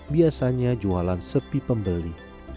biasanya jualan sepi pembeli